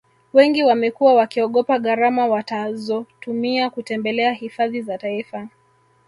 wengi wamekuwa wakiogopa gharama watazotumia kutembelea hifadhi za taifa